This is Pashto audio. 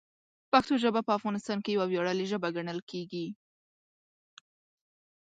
پښتو ژبه په افغانستان کې یوه ویاړلې ژبه ګڼل کېږي.